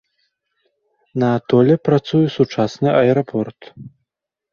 На атоле працуе сучасны аэрапорт.